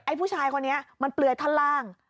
ผู้ชายคนนี้มันเปลือยท่อนล่าง